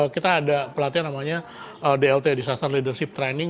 kita ada pelatihan namanya dlt disasar leadership training